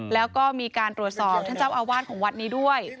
แล้วก็มีการตรวจสอบท่านเจ้าอาวาสของวัดนี้ด้วย